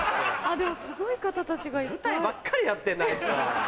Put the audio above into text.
でもすごい方たちがいっぱい。